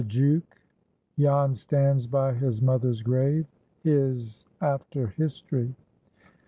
—THE "JOOK."—JAN STANDS BY HIS MOTHER'S GRAVE.—HIS AFTER HISTORY.